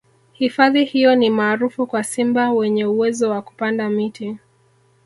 hifadhi hiyo ni maarufu kwa simba wenye uwezo wa kupanda miti